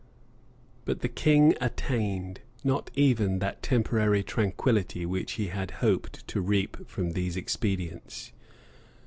r] But the king attained not even that temporary tranquillity which he had hoped to reap from these expedients.